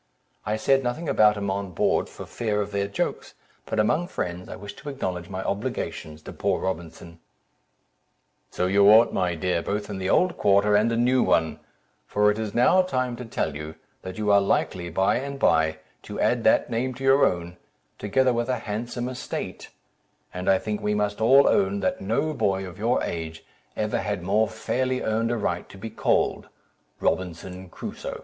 I said nothing about him on board, for fear of their jokes, but among friends, I wish to acknowledge my obligations to poor Robinson." "So you ought, my dear, both in the old quarter and a new one, for it is now time to tell you, that you are likely, by and by, to add that name to your own, together with a handsome estate; and I think we must all own, that no boy of your age ever had more fairly earned a right to be called 'Robinson Crusoe.'"